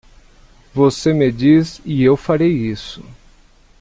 Você me diz? e eu farei isso.